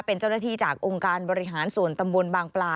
เป็นเจ้าหน้าที่จากองค์การบริหารส่วนตำบลบางปลา